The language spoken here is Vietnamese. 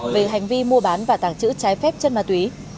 về hành vi mua bán và tàng trữ trái phép chất ma túy